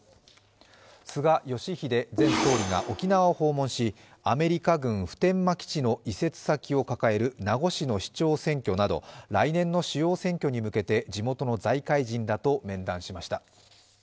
菅義偉前総理が沖縄を訪問しアメリカ軍普天間基地の移設先を抱える名護市の市長選挙など来年の主要選挙に向けて、地元の財界人らと面談しました。